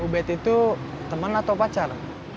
ubed itu teman atau pacar